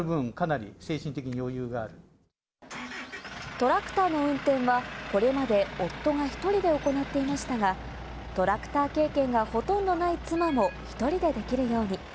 トラクターの運転はこれまで夫が一人で行っていましたが、トラクター経験がほとんどない妻も１人でできるように。